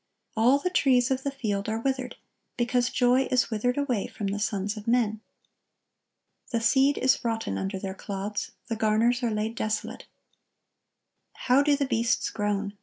"All the trees of the field are withered: because joy is withered away from the sons of men." "The seed is rotten under their clods, the garners are laid desolate." "How do the beasts groan!